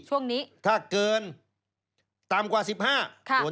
ช่วงนี้ถ้าเกินต่ำกว่า๑๕ส่วน